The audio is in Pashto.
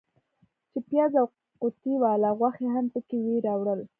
چې پیاز او قوطۍ والا غوښې هم پکې وې راوړل.